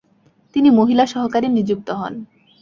তিনি মহিলা সহকারী নিযুক্ত হন।